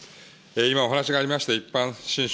今、お話がありました一般信書